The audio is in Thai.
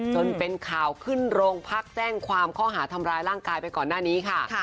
จนเป็นข่าวขึ้นโรงพักแจ้งความข้อหาทำร้ายร่างกายไปก่อนหน้านี้ค่ะ